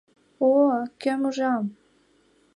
— О-о, кӧм ужам!